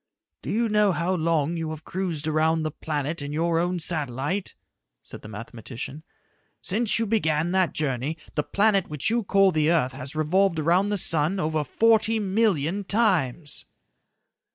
"Do you know how long you have cruised around the planet in your own satellite?" said the mathematician. "Since you began that journey, the planet which you call the earth has revolved around the sun over forty million times."